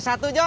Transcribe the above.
bagus sih aku